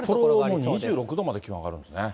札幌も２６度まで気温上がるんですね。